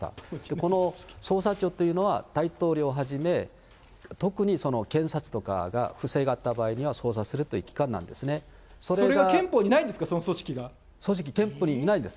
この捜査庁というのは、大統領はじめ、特に検察とかが不正があった場合には捜査するという機関なんですそれが憲法にないんですか、組織、憲法にないんです。